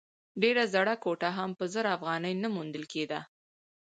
ډېره زړه کوټه هم په زر افغانۍ نه موندل کېده.